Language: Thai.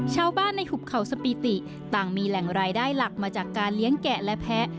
ชาวบ้านในหุบเขาสปีติต่างมีแหล่งรายได้หลักมาจากการเลี้ยงแกะและแพ้